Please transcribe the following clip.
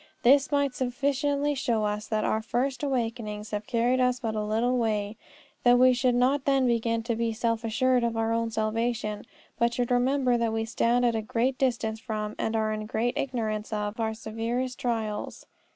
This might sufficiently show us that our first awakenings have carried us but a little way; that we should not then begin to be self assured of our own salvation, but should remember that we stand at a great distance from, and are in great ignorance of, our severest trials."